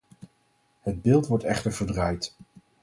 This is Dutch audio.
Het beeld wordt echter verdraaid.